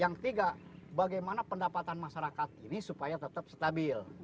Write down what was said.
yang ketiga bagaimana pendapatan masyarakat ini supaya tetap stabil